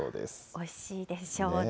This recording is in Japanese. おいしいでしょうね。